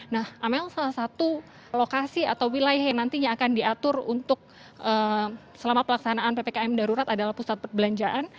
nah amel salah satu lokasi atau wilayah yang nantinya akan diatur untuk selama pelaksanaan ppkm darurat adalah pusat perbelanjaan